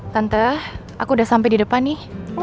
tante aku udah sampai di depan nih